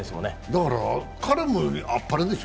だから彼もあっぱれでしょ？